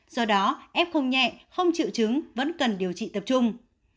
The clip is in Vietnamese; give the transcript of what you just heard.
do đó f không nhẹ không chịu chứng vẫn cần điều trị tập trung